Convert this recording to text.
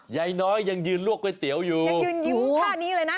ยายน้อยยังยืนลวกก๋วยเตี๋ยวอยู่ยังยืนยิ้มท่านี้เลยนะ